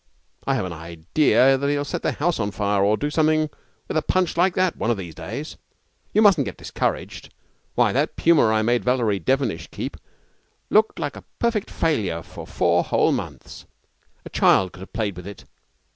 I have an idea that he'll set the house on fire or do something with a punch like that one of these days. You mustn't get discouraged. Why, that puma I made Valerie Devenish keep looked like a perfect failure for four whole months. A child could have played with it.